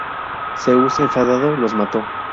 Zeus, enfadado, los mató.